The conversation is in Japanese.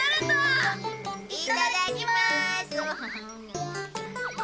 いただきまーす！